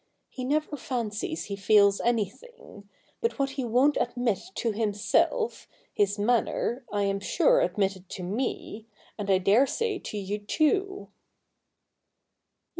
He never fancies he feels anything ; but what he won't admit to himself, his manner, I am sure admitted to me, and 1 dare say to you too.'